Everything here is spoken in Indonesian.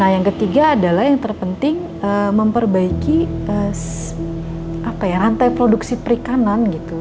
nah yang ketiga adalah yang terpenting memperbaiki rantai produksi perikanan gitu